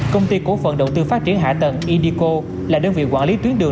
công ty cổ phận đầu tư phát triển hạ tầng indico là đơn vị quản lý tuyến đường